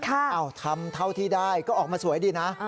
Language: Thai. เอ้าทำเท่าที่ได้ก็ออกมาสวยดีนะ